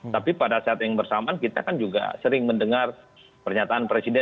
tapi pada saat yang bersamaan kita kan juga sering mendengar pernyataan presiden